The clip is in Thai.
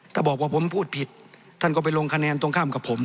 ถ้าบอกว่าผมพูดผิดท่านก็ไปลงคะแนนตรงข้ามกับผม